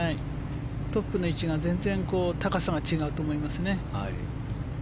トップの位置が全然高さが違うと思いますね。